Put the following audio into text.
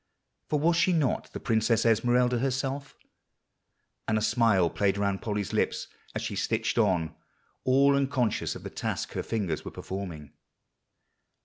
For was she not the Princess Esmeralda herself? And a smile played around Polly's lips as she stitched on, all unconscious of the task her fingers were performing.